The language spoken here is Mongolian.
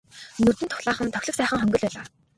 Нүдэнд дулаахан тохилог сайхан хонгил байлаа.